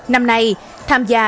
năm nay tham gia